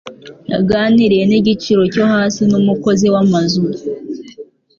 Yaganiriye nigiciro cyo hasi numukozi wamazu.